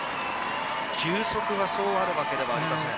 球速はそうあるわけではありません。